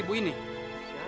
ibu dari mana